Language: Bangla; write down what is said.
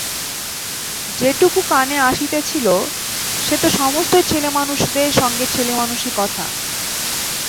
যেটুকু কানে আসিতেছিল সে তো সমস্তই ছেলেমানুষদের সঙ্গে ছেলেমানুষি কথা।